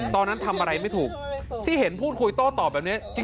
ตอนนั้นทำอะไรไม่ถูกที่เห็นพูดคุยโต้ตอบแบบนี้